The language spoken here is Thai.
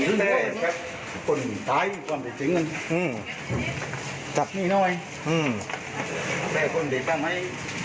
แม่แคร็กคนตายความผิดถึงอืมจัดหนี้หน่อยอืมแคทคนเด็กต้างให้